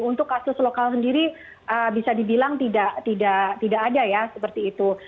untuk kasus lokal sendiri bisa dibilang tidak ada ya seperti itu